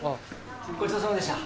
ごちそうさまでした。